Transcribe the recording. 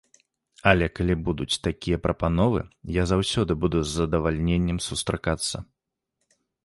Але калі будуць такія прапановы, я заўсёды буду з задавальненнем сустракацца.